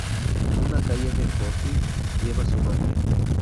Una calle de Forli lleva su nombre.